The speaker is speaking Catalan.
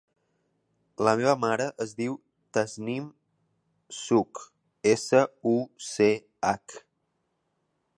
La meva mare es diu Tasnim Such: essa, u, ce, hac.